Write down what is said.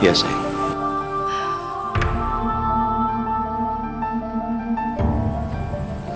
kepenting keuntungan tersebut